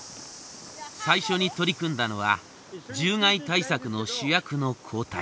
最初に取り組んだのは獣害対策の主役の交代。